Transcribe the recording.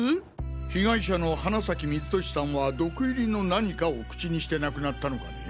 被害者の花崎瑞俊さんは毒入りの何かを口にして亡くなったのかね？